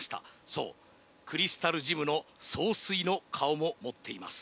そうクリスタルジムの総帥の顔も持っています